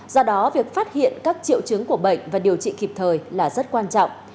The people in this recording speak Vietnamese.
do đó việc phát hiện các triệu chứng của bệnh và điều trị kịp thời là rất quan trọng